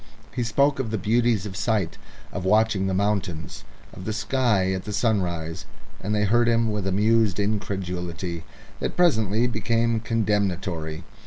He spoke of the beauties of sight, of watching the mountains, of the sky and the sunrise, and they heard him with amused incredulity that presently became condemnatory.